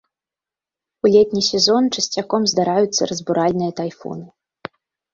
У летні сезон часцяком здараюцца разбуральныя тайфуны.